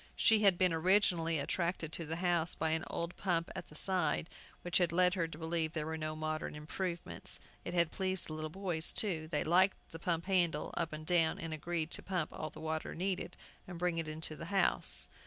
She had been originally attracted to the house by an old pump at the side, which had led her to believe there were no modern improvements. It had pleased the little boys, too. They liked to pump the handle up and down, and agreed to pump all the water needed, and bring it into the house.